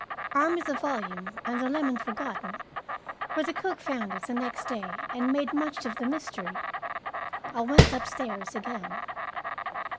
Armed with the volume, and the lemon forgotten where the cook found it the next day and made much of the mystery I went upstairs again.